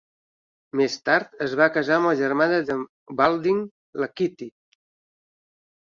Més tard es va casar amb la germana d'en Baldwin, la Kitty.